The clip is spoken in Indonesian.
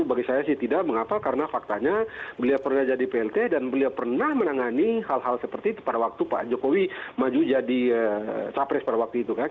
bagi saya sih tidak mengapa karena faktanya beliau pernah jadi plt dan beliau pernah menangani hal hal seperti itu pada waktu pak jokowi maju jadi capres pada waktu itu kan